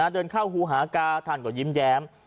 เดินเข้าฮูหากาท่านก็ยิ้มแย้ม